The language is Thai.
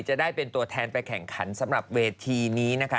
จะได้เป็นตัวแทนไปแข่งขันสำหรับเวทีนี้นะคะ